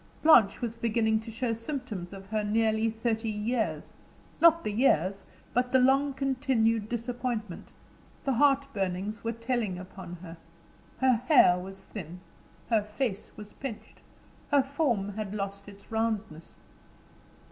Blanche was beginning to show symptoms of her nearly thirty years; not the years, but the long continued disappointment, the heart burnings, were telling upon her. Her hair was thin, her face was pinched, her form had lost its roundness.